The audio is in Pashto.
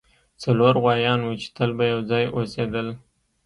څلور غوایان وو چې تل به یو ځای اوسیدل.